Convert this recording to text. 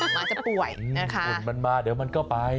หมาจะป่วยนะคะฝุ่นมันมาเดี๋ยวมันก็ไป